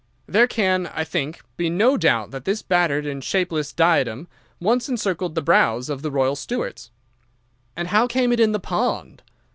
There can, I think, be no doubt that this battered and shapeless diadem once encircled the brows of the royal Stuarts.' "'And how came it in the pond?